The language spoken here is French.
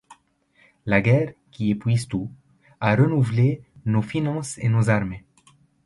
La guerre, qui épuise tout, a renouvelé nos finances et nos armées.